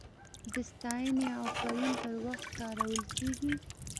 د ستاینې او افرین پر وخت کارول کیږي.